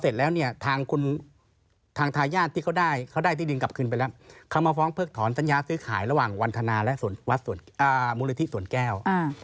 เสร็จแล้วเนี่ยทางคุณทางทายาทที่เขาได้เขาได้ที่ดินกลับคืนไปแล้วเขามาฟ้องเพิกถอนสัญญาซื้อขายระหว่างวันธนาและมูลนิธิสวนแก้ว